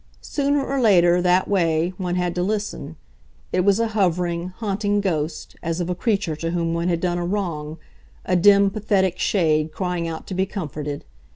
Sooner or later, that way, one had to listen; it was a hovering, haunting ghost, as of a creature to whom one had done a wrong, a dim, pathetic shade crying out to be comforted.